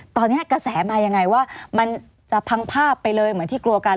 ตอนนี้กระแสมายังไงว่ามันจะพังภาพไปเลยเหมือนที่กลัวกัน